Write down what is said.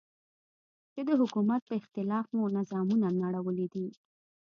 چې د حکومت په اختلاف مو نظامونه نړولي دي.